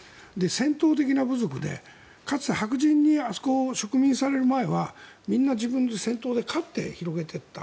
戦闘的な部族でかつて白人にあそこを植民される前はみんな自分で戦闘で勝って広げていった。